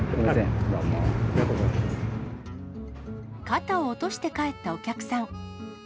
肩を落として帰ったお客さん。